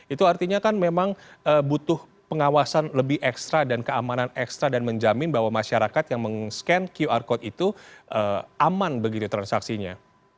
itu artinya kan memang butuh pengawasan lebih ekstra dan keamanan ekstra dan menjamin bahwa masyarakat yang meng scan qr code itu aman begitu transaksinya